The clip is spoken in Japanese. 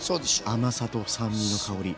甘さと酸味の香り。